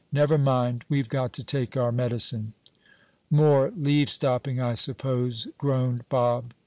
"Never mind, we've got to take our medicine." "More leave stopping, I suppose," groaned Bob.